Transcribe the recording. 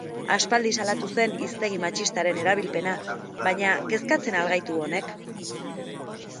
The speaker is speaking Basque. Aspaldi salatu zen hiztegi matxistaren erabilpena, baina kezkatzen al gaitu honek?